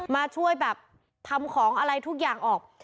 มาช่วยแบบทำของอะไรทุกอย่างออก